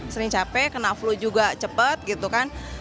sering capek kena flu juga cepet gitu kan